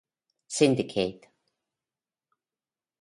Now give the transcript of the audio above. Syndicate